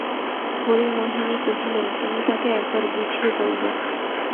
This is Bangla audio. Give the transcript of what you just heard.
হরিমোহিনী কহিলেন, তুমি তাকে একবার বুঝিয়ে বলবে।